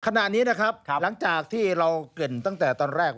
ขณะนี้นะครับหลังจากที่เราเกริ่นตั้งแต่ตอนแรก